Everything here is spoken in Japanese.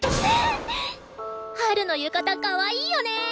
ハルの浴衣かわいいよね。